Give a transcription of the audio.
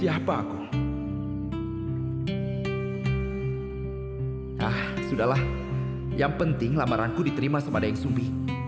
ah sudahlah yang penting lamaranku diterima sama dayang sumbi